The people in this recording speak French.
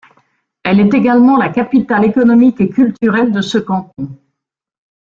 Elle est également la capitale économique et culturelle de ce canton.